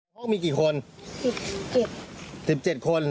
ห้องมีกี่คน๑๗๑๗คน